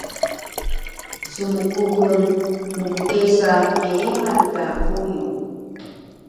Smkuxul mkkesa keeman ka quyu